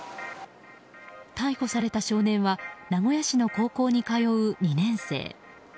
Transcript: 逮捕された少年は名古屋市の高校に通う２年生。